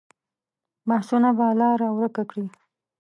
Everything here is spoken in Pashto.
بحثونه به لاره ورکه کړي.